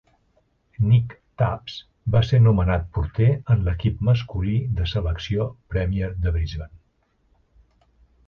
Nick Tubbs va ser nomenat porter en l'equip masculí de selecció Premier de Brisbane.